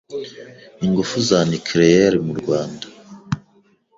ingufu za nucléaire mu Rwanda